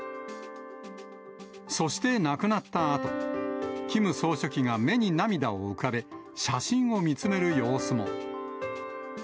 そして亡くなったあと、キム総書記が目に涙を浮かべ、写真を見つめる様子も。